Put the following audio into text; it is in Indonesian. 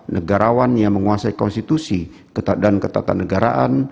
negarawan yang menguasai konstitusi dan ketatanegaraan